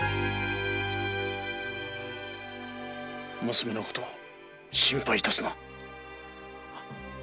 娘のことは心配いたすな！